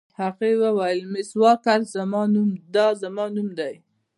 هغې وویل: مس واکر، دا زما نوم دی.